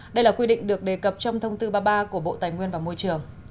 đây là quy định được đề cập trong thông tư ba mươi ba của bộ tài nguyên và môi trường